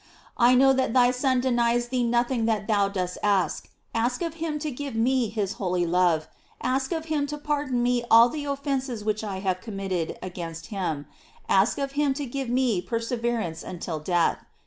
I know that thy Son denies th«e nothing that thou dost ask ; ask of him to give me his holy love ; ask of him to pardon me all the offences which I have committed against him; ask of him to give me perseverance until death.